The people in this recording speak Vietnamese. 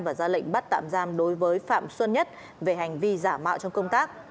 và ra lệnh bắt tạm giam đối với phạm xuân nhất về hành vi giả mạo trong công tác